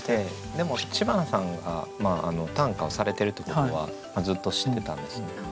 でも知花さんが短歌をされてるってことはずっと知ってたんですね。